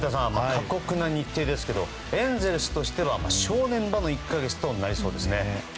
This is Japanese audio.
過酷な日程ですがエンゼルスとしては正念場の１か月となりそうですね。